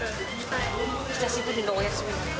久しぶりのお休みなんで。